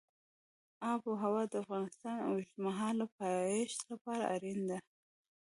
آب وهوا د افغانستان د اوږدمهاله پایښت لپاره اړینه ده.